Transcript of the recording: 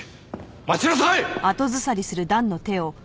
待ちなさい！